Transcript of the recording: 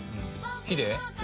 「ヒデ？」